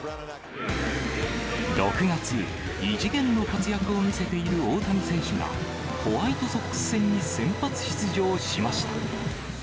６月、異次元の活躍を見せている大谷選手が、ホワイトソックス戦に先発出場しました。